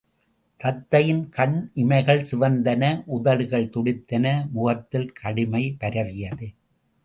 தத்தையின் கண் இமைகள் சிவந்தன உதடுகள் துடித்தன முகத்தில் கடுமை பரவியது.